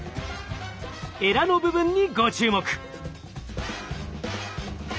エラの部分にご注目。